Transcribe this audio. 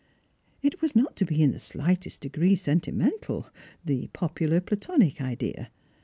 It was not to be in the slightest degree sentimental — the popular platonic idea.